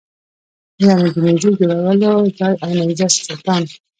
یعنې د نېزې جوړولو ځای او نېزه ستان.